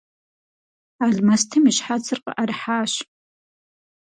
Алмэстым и щхьэцыр къыӀэрыхьащ.